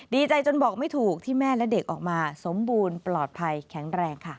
ดีใจจนบอกไม่ถูกที่แม่และเด็กออกมาสมบูรณ์ปลอดภัยแข็งแรงค่ะ